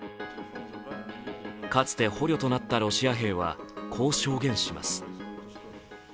かつて捕虜となったロシア兵はこう証言します。